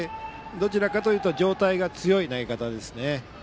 どちらかというと状態が強い投げ方ですね。